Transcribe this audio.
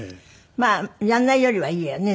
まあやらないよりはいいわよね